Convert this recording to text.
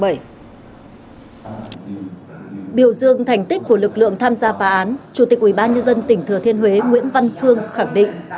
biểu dương thành tích của lực lượng tham gia phá án chủ tịch ubnd tỉnh thừa thiên huế nguyễn văn phương khẳng định